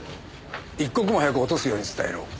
一刻も早く落とすように伝えろ。